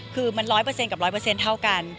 คือมันร้อยเปอร์เซ็นต์กับร้อยเปอร์เซ็นต์เท่ากัน